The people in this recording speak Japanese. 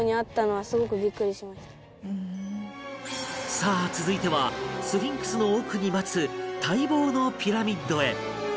さあ続いてはスフィンクスの奥に待つ待望のピラミッドへ